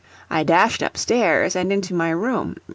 I dashed up stairs and into my room.